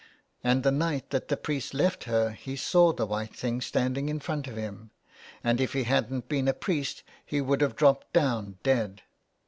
And the night that the priest left her he saw the white thing standing in front of him, and if he hadn't been a priest he would have dropped down 237 A PLAY HOUSE IN THE WASTE. dead.